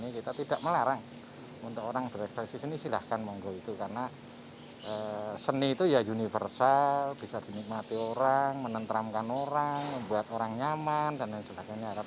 kita tidak melarang untuk orang berekspresi seni silahkan monggo itu karena seni itu ya universal bisa dinikmati orang menenteramkan orang membuat orang nyaman dan lain sebagainya